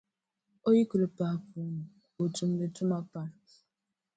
O yi kuli paai puu ni, o tumdi tuma pam.